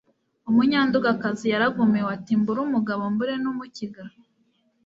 umunyandugakazi yaragumiwe ati mbure umugabo mbure n'umukiga